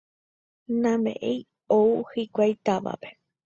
Nameméi ou hikuái távape